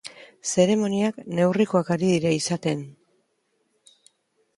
Zeremoniak neurrikoak ari dira izaten.